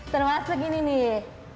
termasuk ini nih